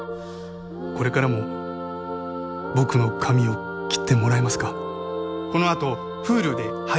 これからも僕の髪を切ってもらえますか？